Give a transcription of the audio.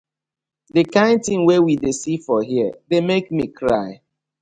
Di kin tin wey we dey see for here dey mek mi cry.